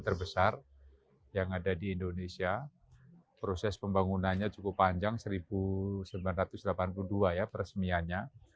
terbesar yang ada di indonesia proses pembangunannya cukup panjang seribu sembilan ratus delapan puluh dua ya peresmiannya